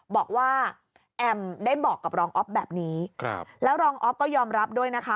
บอกว่าแอมได้บอกกับรองอ๊อฟแบบนี้แล้วรองอ๊อฟก็ยอมรับด้วยนะคะ